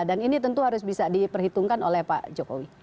dan ini tentu harus bisa diperhitungkan oleh pak jokowi